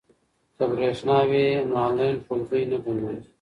که برېښنا وي نو آنلاین ټولګی نه بندیږي.